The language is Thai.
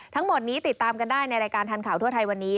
ทั้งหมดนี้ติดตามกันได้ในรายการทันข่าวทั่วไทยวันนี้